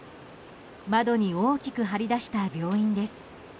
窓に大きく貼り出した病院です。